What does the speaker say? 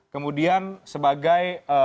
kemudian sebagai putra